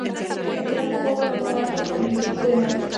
Al final jugó un otro año con el equipo de Bamberg.